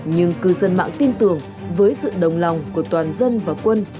nhưng cư dân mạng tin tưởng với sự đồng lòng của toàn dân và quân